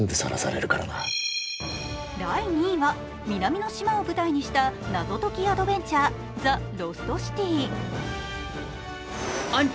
第２位は南の島を舞台にした謎解きアドベンチャー、「ザ・ロストシティ」。